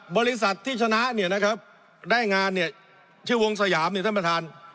บริษัทที่ชนะเนี่ยนะครับได้งานชื่อวงศาหยามแทนประธาน